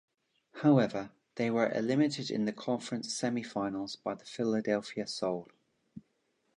However, they were eliminated in the conference semifinals by the Philadelphia Soul.